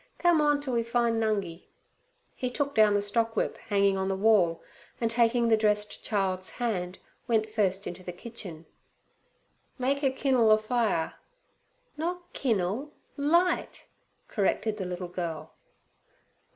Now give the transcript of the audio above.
Come on t' we find Nungi.' He took down the stockwhip hanging on the wall, and taking the dressed child's hand, went first into the kitchen. 'Make 'er kin'le a fire.' 'Not kin'le; light,' corrected the little girl.